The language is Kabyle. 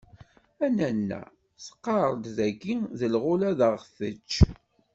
A nanna... teqqar-d tayi d lɣula ad ɣen-tečč!